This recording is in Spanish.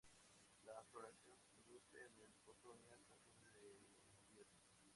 La floración se produce en el otoño hasta fines de invierno.